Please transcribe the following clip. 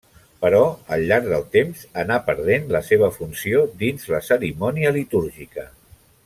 Però al llarg del temps anà perdent la seva funció dins la cerimònia litúrgica.